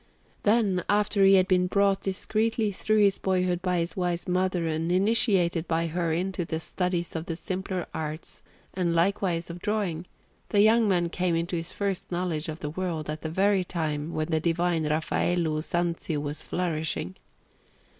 Then, after he had been brought discreetly through his boyhood by his wise mother, and initiated by her into the studies of the simpler arts and likewise of drawing, the young man came into his first knowledge of the world at the very time when the divine Raffaello Sanzio was flourishing.